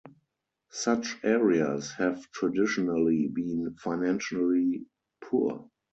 Such areas have traditionally been financially poor.